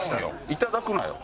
いただくなよ。